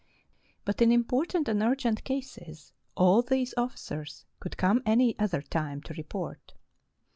But in important and urgent cases, all these officers could come any other time to report.